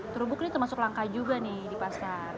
terubuknya termasuk langka juga nih di pasar